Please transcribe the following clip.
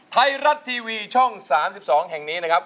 ไทยรัฐทีวีช่อง๓๒แห่งนี้นะครับ